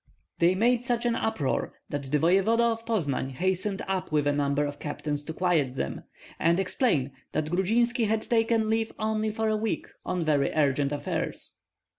They made such an uproar that the voevoda of Poznan hastened up with a number of captains to quiet them, and explain that Grudzinski had taken leave only for a week on very urgent affairs.